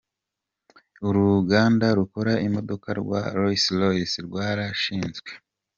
Uruganda rukora imodoka rwa Rolls-Royce rwarashinzwe.